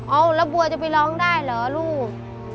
เอาแล้วบัวจะไปร้องได้เหรอลูก